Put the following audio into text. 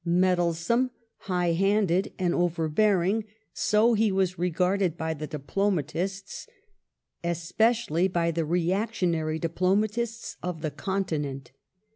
Meddlesome, high handed and overbearing — so he was regarded by the diplomatists, especially by the reactionary / diplomatists of the Continent.